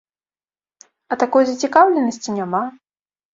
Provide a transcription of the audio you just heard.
А такой зацікаўленасці няма.